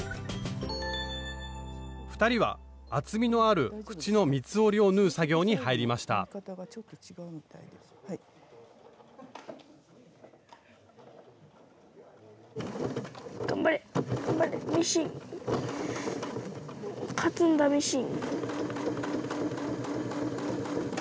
２人は厚みのある口の三つ折りを縫う作業に入りました最大限マックス。